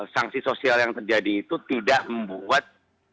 sanksi sosial yang terjadi itu tidak membuat